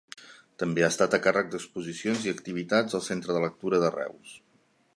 També ha estat a càrrec d'exposicions i activitats al Centre de Lectura de Reus.